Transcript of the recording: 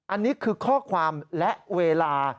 อันนี้คือข้อความและเวลา